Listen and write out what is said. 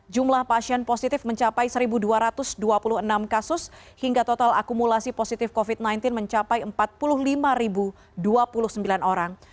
jumlah pasien positif mencapai satu dua ratus dua puluh enam kasus hingga total akumulasi positif covid sembilan belas mencapai empat puluh lima dua puluh sembilan orang